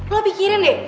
lo pikirin deh